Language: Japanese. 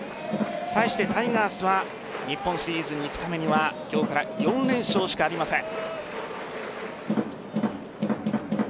対してタイガースは日本シリーズに行くためには今日から４連勝しかありません。